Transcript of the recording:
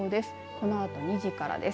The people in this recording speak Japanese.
このあと２時からです。